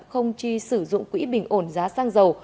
không chi sử dụng quỹ bình ổn giá xăng dầu